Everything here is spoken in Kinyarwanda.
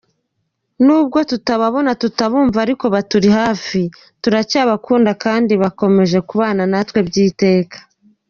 Nubwo tutabona, tutabumva ariko bari hafi yacu, baracyadukunda kandi bakomeje kubana natwe by’iteka.